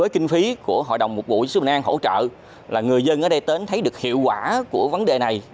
kinh phí của hội đồng mục vụ giáo sứ bình an hỗ trợ là người dân ở đây tến thấy được hiệu quả của vấn đề này